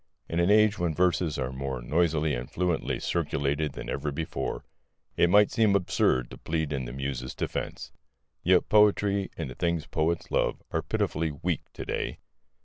In an age when verses are more noisily and fluently circulated than ever before, it might seem absurd to plead in the Muse's defence. Yet poetry and the things poets love are pitifully weak to day.